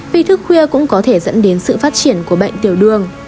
vì thức khuya cũng có thể dẫn đến sự phát triển của bệnh tiểu đường